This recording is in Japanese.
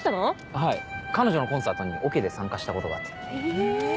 はい彼女のコンサートにオケで参加したことがあって。へぇ！